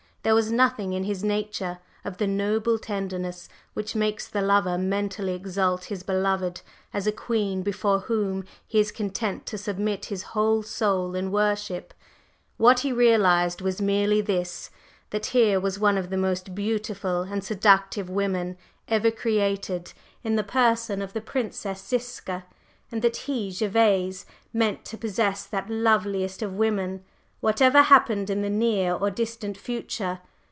There was nothing in his nature of the noble tenderness which makes the lover mentally exalt his beloved as a queen before whom he is content to submit his whole soul in worship; what he realized was merely this: that here was one of the most beautiful and seductive women ever created, in the person of the Princess Ziska, and that he, Gervase, meant to possess that loveliest of women, whatever happened in the near or distant future.